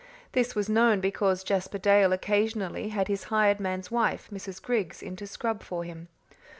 This was known, because Jasper Dale occasionally had his hired man's wife, Mrs. Griggs, in to scrub for him.